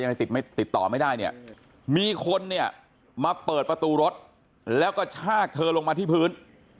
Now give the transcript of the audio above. ยังติดต่อไม่ได้เนี่ยมีคนนี้มาเปิดประตูรถแล้วก็ชากเธอลงมาที่พื้น